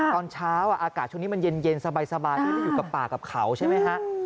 ตอนเช้าอากาศช่วงนี้มันเย็นสบายไม่ได้อยู่กับป่ากับเขาใช่ไหมฮะ